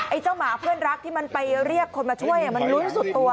เจ้าหมาเพื่อนรักที่มันไปเรียกคนมาช่วยมันลุ้นสุดตัว